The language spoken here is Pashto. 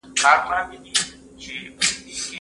لکه چي جوړ سو